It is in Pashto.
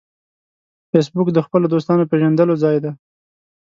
فېسبوک د خپلو دوستانو پېژندلو ځای دی